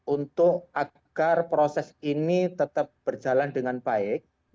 untuk agar proses ini tetap berjalan dengan baik